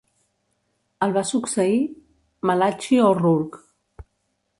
El va succeir Malachy O'Rourke.